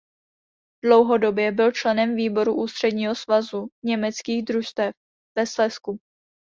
Dlouhodobě byl členem výboru Ústředního svazu německých družstev ve Slezsku.